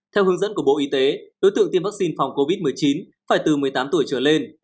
theo hướng dẫn của bộ y tế đối tượng tiêm vaccine phòng covid một mươi chín phải từ một mươi tám tuổi trở lên